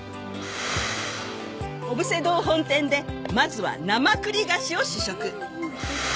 小布施堂本店でまずは生栗菓子を試食。